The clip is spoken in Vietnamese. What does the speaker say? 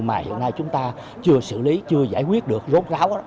mà hiện nay chúng ta chưa xử lý chưa giải quyết được rốt ráo đó